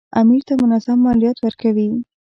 امیر ته منظم مالیات ورکوي.